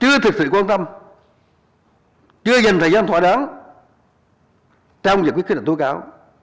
chưa thực sự quan tâm chưa dành thời gian thỏa đoán trong việc quyết tâm tố cáo